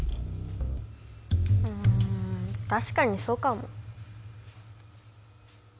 うんたしかにそうかも。